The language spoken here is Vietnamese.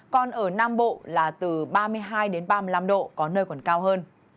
còn ở nam bộ là từ ba mươi hai ba mươi năm độ có nơi còn cao hơn